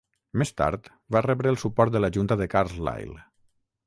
Més tard va rebre el suport de la junta de Carlisle.